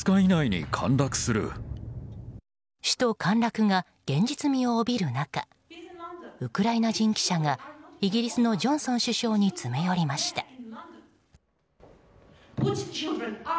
首都陥落が現実味を帯びる中ウクライナ人記者がイギリスのジョンソン首相に詰め寄りました。